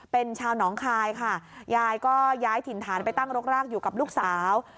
เป็นชาวหนองคายค่ะยายก็ย้ายถิ่นฐานไปตั้งรกรากอยู่กับลูกสาว